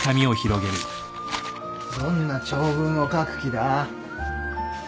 どんな長文を書く気だ？